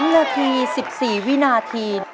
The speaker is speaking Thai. ๓นาที๑๔วินาที